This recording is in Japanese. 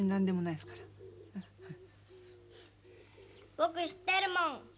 僕知ってるもん。